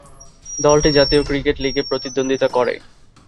দলটি জাতীয় ক্রিকেট লিগে প্রতিদ্বন্দ্বিতা করে।